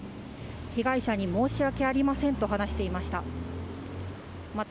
被害者に申し訳ありませんと語りました。